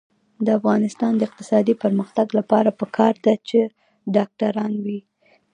د افغانستان د اقتصادي پرمختګ لپاره پکار ده چې ډاکټران وي.